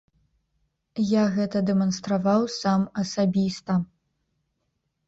Я гэта дэманстраваў сам асабіста.